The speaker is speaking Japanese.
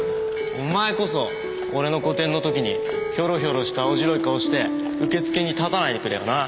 お前こそ俺の個展のときにヒョロヒョロした青白い顔して受付に立たないでくれよな。